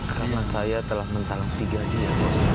karena saya telah mentalak tiga dia